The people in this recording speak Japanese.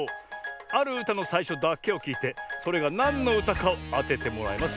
あるうたのさいしょだけをきいてそれがなんのうたかをあててもらいます。